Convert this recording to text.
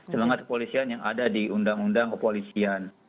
semangat kepolisian yang ada di undang undang kepolisian